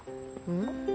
ん？